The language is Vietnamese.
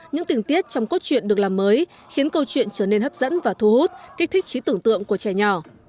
những tình tiết trong cốt truyện được làm mới khiến câu chuyện trở nên hấp dẫn và thu hút kích thích trí tưởng tượng của trẻ nhỏ